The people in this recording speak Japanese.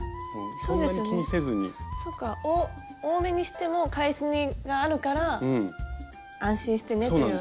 そっか多めにしても返し縫いがあるから安心してねっていう。